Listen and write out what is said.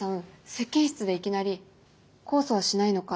接見室でいきなり「控訴はしないのか？」